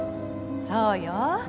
そうよ。